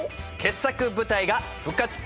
傑作舞台が復活。